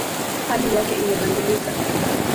Hali yake imebadilika.